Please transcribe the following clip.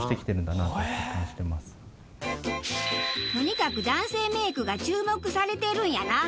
とにかく男性メイクが注目されてるんやな。